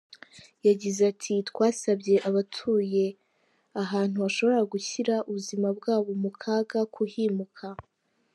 Yagize ati “Twasabye abatuye ahantu hashobora gushyira ubuzima bwabo mu kaga kuhimuka.